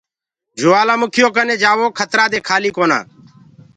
جوآلآ مُکيٚ يو ڪني جآوو کترآ دي کآلي ڪونآ۔